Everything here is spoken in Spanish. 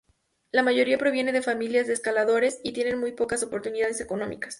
La mayoría proviene de familias de escaladores, y tienen pocas oportunidades económicas.